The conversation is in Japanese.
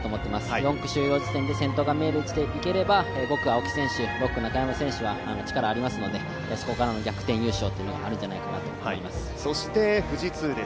４区終了時点で見えていれば５区青木選手、６区中山選手は力がありますので、そこからの逆転優勝もあるんじゃないかなと思います。